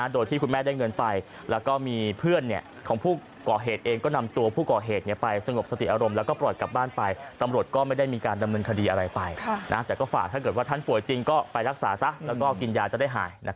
โดยที่คุณแม่ได้เงินไป